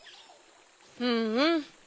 うんうん。